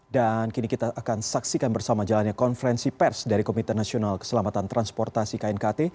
dan kini kita akan saksikan bersama jalannya konferensi pers dari komite nasional keselamatan transportasi knkt